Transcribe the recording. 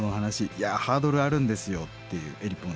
「いやハードルあるんですよ」っていうエリポンさんとか。